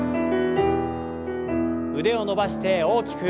腕を伸ばして大きく。